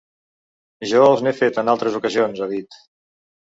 Jo els n’he fet en altres ocasions, ha dit.